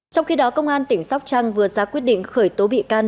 trong khi đó công an tỉnh sóc trăng vừa ra quyết định khởi tố bị can